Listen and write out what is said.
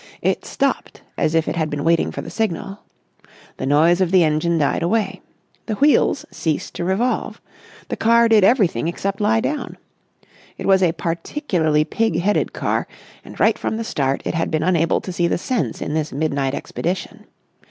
It stopped as if it had been waiting for the signal.... The noise of the engine died away. The wheels ceased to revolve. The car did everything except lie down. It was a particularly pig headed car and right from the start it had been unable to see the sense in this midnight expedition.